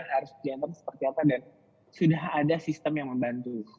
harus jantung seperti apa dan sudah ada sistem yang membantu